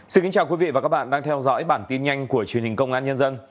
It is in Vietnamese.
xin kính chào quý vị và các bạn đang theo dõi bản tin nhanh của truyền hình công an nhân dân